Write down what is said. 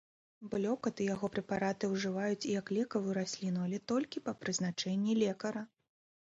Блёкат і яго прэпараты ўжываюць і як лекавую расліну, але толькі па прызначэнні лекара.